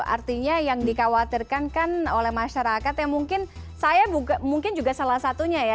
artinya yang dikhawatirkan kan oleh masyarakat yang mungkin saya mungkin juga salah satunya ya